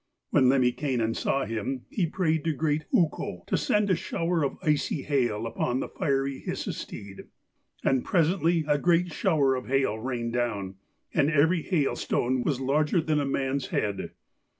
When Lemminkainen saw him he prayed to great Ukko to send a shower of icy hail upon the fiery Hisi steed, and presently a great shower of hail rained down, and every hailstone was larger than a man's head.